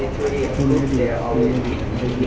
ในวันที่๑๙นาทีพวกมันจัดสินค้าที่๖นาทีถึง๖นาที